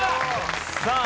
さあ